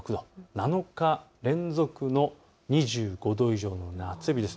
７日連続の２５度以上の夏日です。